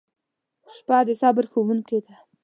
• شپه د صبر ښوونکې ده.